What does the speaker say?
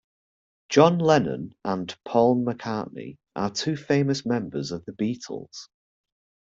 John Lennon and Paul McCartney are two famous members of the Beatles.